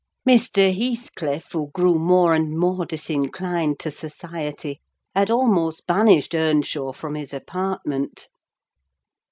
Mr. Heathcliff, who grew more and more disinclined to society, had almost banished Earnshaw from his apartment.